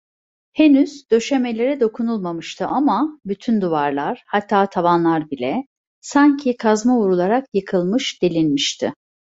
Henüz döşemelere dokunulmamıştı ama, bütün duvarlar, hatta tavanlar bile, sanki kazma vurularak yıkılmış, delinmişti.